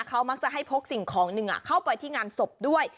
เขามักจะให้พกสิ่งของหนึ่งเข้าไปที่งานศพด้วย